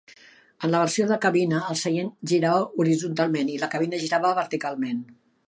En la versió de cabina, el seient girava horitzontalment i la cabina girava verticalment.